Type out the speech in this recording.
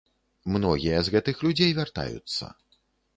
Многія з гэтых людзей вяртаюцца.